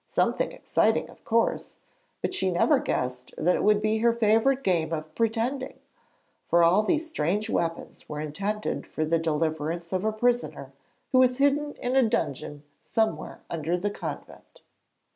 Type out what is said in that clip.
Something exciting, of course; but she never guessed that it would be her favourite game of 'pretending.' For all these strange weapons were intended for the deliverance of a prisoner who was hidden in a dungeon somewhere under the convent.